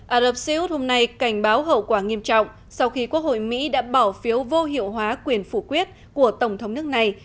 ả rập xê út hôm nay cảnh báo hậu quả nghiêm trọng sau khi quốc hội mỹ đã bỏ phiếu vô hiệu hóa quyền phủ quyết của tổng thống nước này